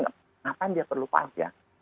kenapa dia perlu pajak